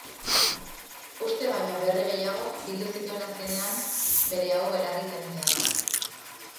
Uste baino berri gehiago bildu zituen azkenean Bereau belarri tenteak.